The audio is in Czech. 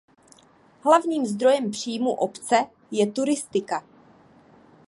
Hlavním zdrojem příjmů obce je turistika.